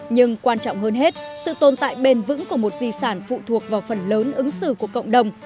nhưng quan trọng hơn hết sự tồn tại bền vững của một di sản phụ thuộc vào phần lớn ứng xử của cộng đồng